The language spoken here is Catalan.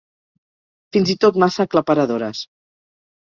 Fins i tot massa aclaparadores.